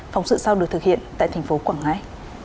phóng sự sau được thực hiện tại thành phố quảng ngãi